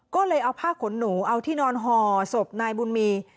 ก็เลยเอาผ้าขนหนูเอาที่นอนห่อศพนายบุญมี